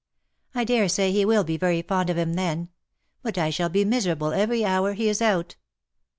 ''" I dare say he will be very fond of him then. But I shall be miserable every hour he is out."